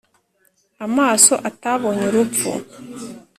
amaso atabonye urupfu,